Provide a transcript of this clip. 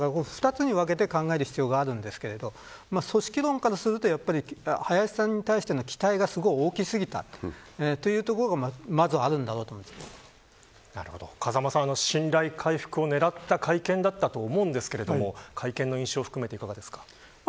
つに分けて考える必要があるんですけど組織論からすると林さんに対しての期待がすごく大きすぎたというところが風間さん、信頼回復を狙った会見だったと思うんですが会見の印象含めていかがですか。